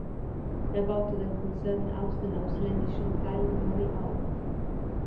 Er baute den Konzern aus den ausländischen Teilen neu auf.